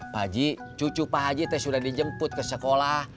pak ji cucu pak haji tis sudah dijemput ke sekolah